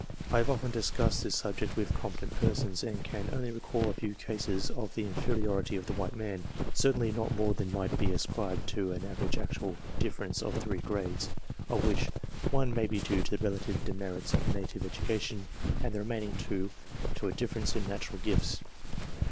I have often discussed this subject with competent persons, and can only recall a few cases of the inferiority of the white man, certainly not more than might be ascribed to an average actual difference of three grades, of which one may be due to the relative demerits of native education, and the remaining two to a difference in natural gifts.